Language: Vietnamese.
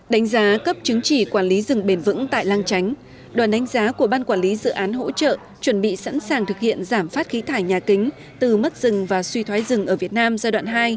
đánh giá cấp chứng chỉ quản lý rừng bền vững tại lang tránh đoàn đánh giá của ban quản lý dự án hỗ trợ chuẩn bị sẵn sàng thực hiện giảm phát khí thải nhà kính từ mất rừng và suy thoái rừng ở việt nam giai đoạn hai